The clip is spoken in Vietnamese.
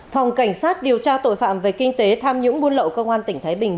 phòng cảnh sát điều tra tội phạm về kinh tế tham nhũng buôn lậu công an tỉnh thái bình